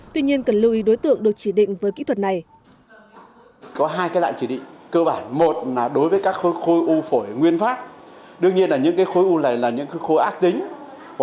tuy nhiên cần lưu ý đối tượng được chỉ định